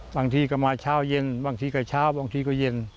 บางทีก็มาเช้าเย็นบางทีก็เช้าบางทีก็เย็น